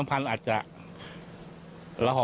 ไม่ตั้งใจครับ